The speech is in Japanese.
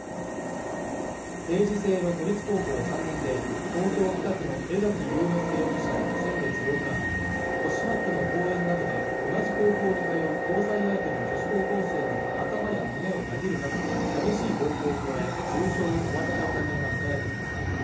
定時制の都立高校３年で、東京北区の江崎龍之介容疑者は先月８日、豊島区の公園などで、同じ高校に通う交際相手の女子高校生の頭や胸を殴るなど、激しい暴行を加え重傷を負わせた疑いが持たれています。